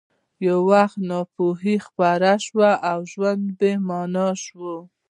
یو وخت ناپوهي خپره شوه او ژوند بې مانا شو